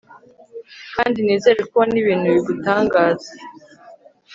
kandi nizere ko ubona ibintu bigutangaza